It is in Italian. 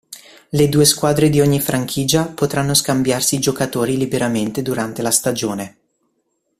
Le due squadre di ogni franchigia potranno scambiarsi i giocatori liberamente durante la stagione.